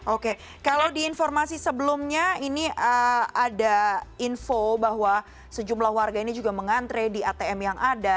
oke kalau di informasi sebelumnya ini ada info bahwa sejumlah warga ini juga mengantre di atm yang ada